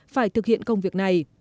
phải thực hiện công việc này